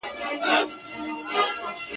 دام له سترګو وو نیهام خاورو کي ښخ وو !.